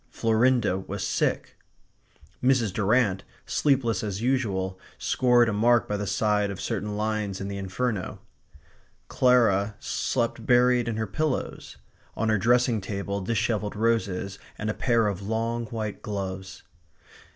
Florinda was sick. Mrs. Durrant, sleepless as usual, scored a mark by the side of certain lines in the Inferno. Clara slept buried in her pillows; on her dressing table dishevelled roses and a pair of long white gloves.